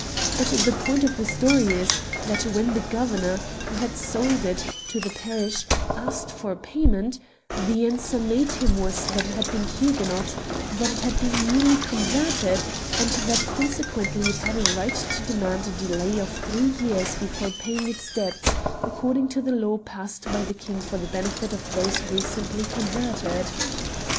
But the point of the story is, that when the governor, who had sold it 67 Curiosities of Olden Times to the parish, asked for payment, the answer made him was, that it had been Huguenot, that it had been newly converted^ and that consequently it had a right to demand a delay of three years before paying its debts, according to the law passed by the king for the benefit of those recently converted